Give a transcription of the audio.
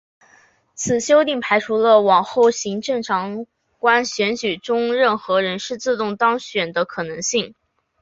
此修订排除了往后行政长官选举中任何人士自动当选的可能性。